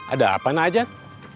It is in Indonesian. ada apa bu nadjat